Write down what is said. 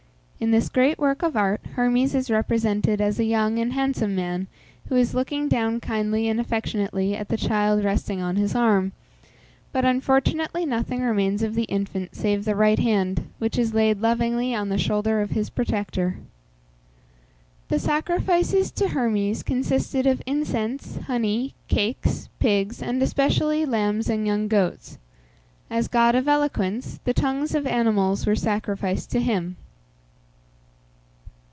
In this great work of art, Hermes is represented as a young and handsome man, who is looking down kindly and affectionately at the child resting on his arm, but unfortunately nothing remains of the infant save the right hand, which is laid lovingly on the shoulder of his protector. The sacrifices to Hermes consisted of incense, honey, cakes, pigs, and especially lambs and young goats. As god of eloquence, the tongues of animals were sacrificed to him.